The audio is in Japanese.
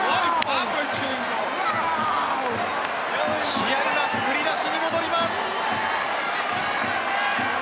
試合は振り出しに戻ります。